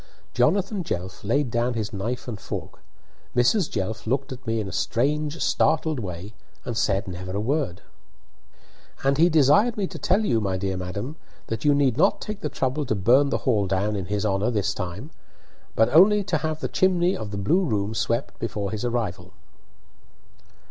Jonathan Jelf laid down his knife and fork. Mrs. Jelf looked at me in a strange, startled way, and said never a word. "And he desired me to tell you, my dear madam, that you need not take the trouble to burn the hall down in his honour this time, but only to have the chimney of the blue room swept before his arrival."